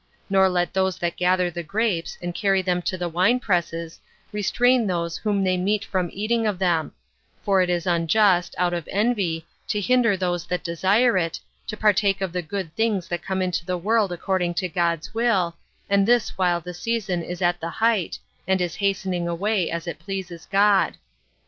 Nor let those that gather the grapes, and carry them to the wine presses, restrain those whom they meet from eating of them; for it is unjust, out of envy, to hinder those that desire it, to partake of the good things that come into the world according to God's will, and this while the season is at the height, and is hastening away as it pleases God.